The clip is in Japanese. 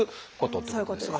そういうことですね。